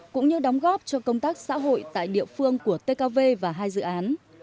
cũng như đóng góp cho công tác xã hội tại địa phương của tkv và hai dự án